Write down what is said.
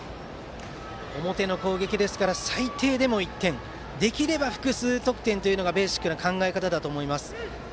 表の攻撃ですから最低でも１点できれば複数得点というのがベーシックな考えだと思います。